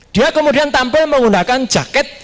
dia kemudian tampil menggunakan jaket